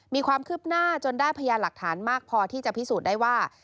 มีความคืบหน้าจนได้พยานหลักฐานมากพอที่จะพิสูจน์ได้ว่า